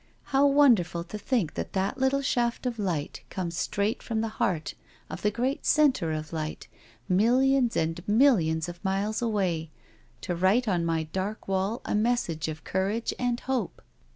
How wonderful to think that that little shaft of light comes straight from the heart of the great centre of light, millions and millions of miles away, to write on my dark wall a message of courage and hope.